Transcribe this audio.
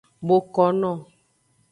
Bokono.